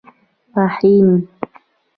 پښين